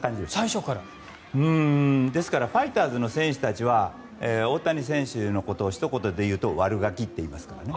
ですからファイターズの選手たちは大谷選手のことをひと言で言うと悪ガキって言いますからね。